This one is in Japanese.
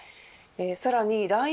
さらにＬＩＮＥ